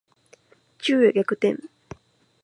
昼夜逆転